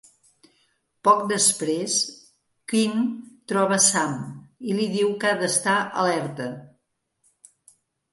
Poc després, Quinn troba a Sam i li diu que ha d'estar alerta.